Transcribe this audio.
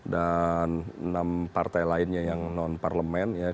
dan enam partai lainnya yang non parlemen